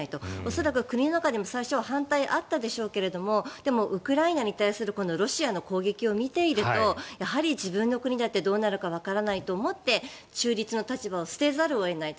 恐らく国の中でも最初は反対あったでしょうがでも、ウクライナに対するロシアの攻撃を見ているとやはり自分の国だってどうなるのかわからないということで中立の立場を捨てざるを得ない。